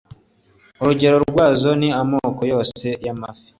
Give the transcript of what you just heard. urugero rwazo ni amoko yose yamafi